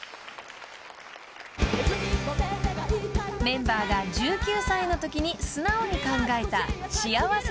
［メンバーが１９歳のときに素直に考えた幸せの定義がテーマの曲。